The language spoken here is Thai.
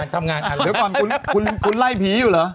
ทำงานอะไร